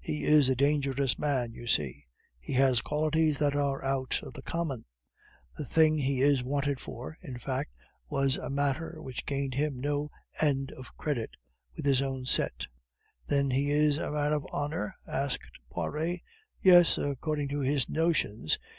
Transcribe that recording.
He is a dangerous man, you see! He has qualities that are out of the common; the thing he is wanted for, in fact, was a matter which gained him no end of credit with his own set " "Then is he a man of honor?" asked Poiret. "Yes, according to his notions.